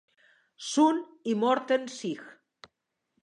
Sundt i Morten Sig.